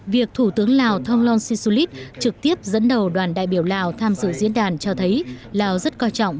việc thủ tướng lào thông luân sinh sulit trực tiếp dẫn đầu đoàn đại biểu lào tham dự diễn đàn cho thấy lào rất quan trọng